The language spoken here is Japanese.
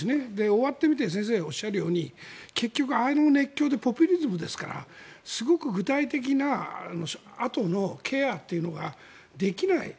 終わってみて先生がおっしゃるように結局、ああいう熱狂もポピュリズムですからすごく具体的なあとのケアというのができない。